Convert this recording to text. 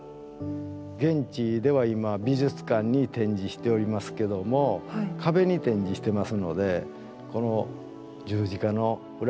現地では今美術館に展示しておりますけども壁に展示してますので